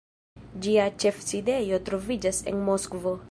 Ĝia ĉefsidejo troviĝas en Moskvo.